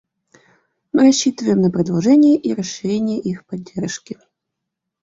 Мы рассчитываем на продолжение и расширение их поддержки.